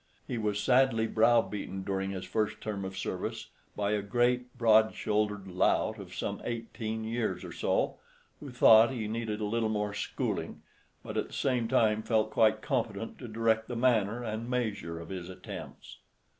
He was sadly brow beaten during his first term of service by a great broad shouldered lout of some eighteen years or so, who thought he needed a little more "schooling," but at the same time felt quite competent to direct the manner and measure of his attempts.